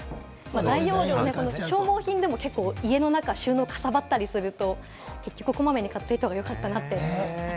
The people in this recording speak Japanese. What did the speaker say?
消耗品でも家の収納かさばったりすると、結局こまめに買っておいた方がよかったなって。